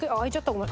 ごめん。